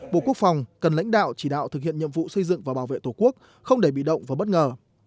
bộ quốc phòng cần lãnh đạo chỉ đạo thực hiện nhiệm vụ xây dựng và bảo vệ tổ quốc không để bị động và bất ngờ